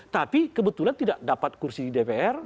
tapi kebetulan tidak dapat kursi di dpr